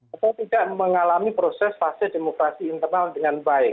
atau tidak mengalami proses fase demokrasi internal dengan baik